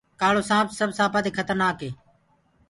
ڪآݪوسآنٚپ سب سآپآنٚ مي کترنآڪ هي